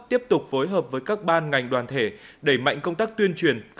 tiếp tục phối hợp với các ban ngành đoàn thể đẩy mạnh công tác tuyên truyền